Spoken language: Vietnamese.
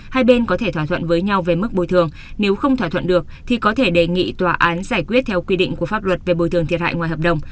hai bên có thể thỏa thuận với nhau về mức bồi thường nếu không thỏa thuận được thì có thể đề nghị tòa án giải quyết theo quy định của pháp luật về bồi thường thiệt hại ngoài hợp đồng